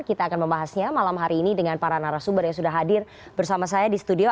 kita akan membahasnya malam hari ini dengan para narasumber yang sudah hadir bersama saya di studio